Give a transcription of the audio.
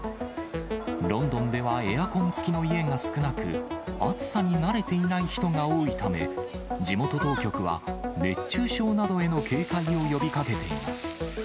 ロンドンではエアコン付きの家が少なく、暑さに慣れていない人が多いため、地元当局は、熱中症などへの警戒を呼びかけています。